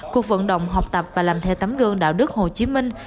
cuộc vận động học tập và làm theo tấm gương đạo đức hồ chí minh